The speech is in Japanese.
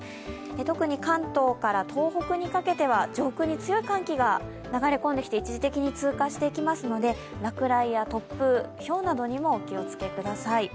特に関東から東北にかけては、上空に強い寒気が流れ込んできて一時的に通過していきますので落雷や突風、ひょうなどにもお気をつけください。